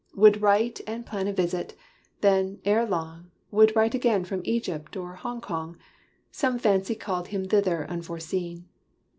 Would write and plan a visit, then, ere long, Would write again from Egypt or Hong Kong Some fancy called him thither unforeseen.